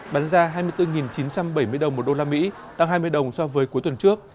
bán da hai mươi bốn chín trăm bảy mươi đồng một usd tăng hai mươi đồng so với cuối tuần trước